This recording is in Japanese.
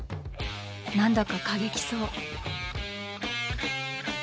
何だか過激そう。